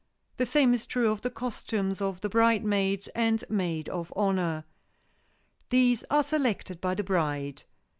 The same is true of the costumes of the bridesmaids and maid of honor. These are selected by the bride.